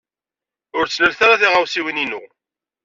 Ur ttnalet ara tiɣawsiwin-inu!